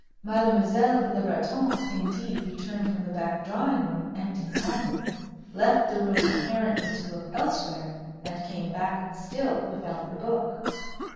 Mademoiselle Le Breton, indeed, returned from the back drawing room empty handed; left the room apparently to look elsewhere, and came back still without the book.